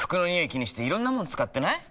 気にしていろんなもの使ってない？